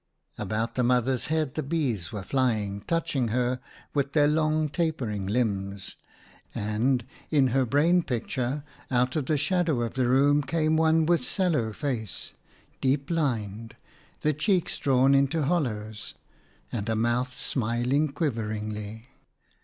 About the mother's head the bees were flying, touching her with their long tapering limbs ; and, in her brain picture, out of the shadow of the room came one with sallow face, deep lined, the cheeks drawn into hollows, and a mouth smiling quiveringly.